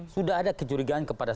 sudah ada kejurigaan kepada